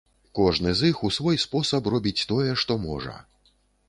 Кожны з іх у свой спосаб робіць тое, што можа.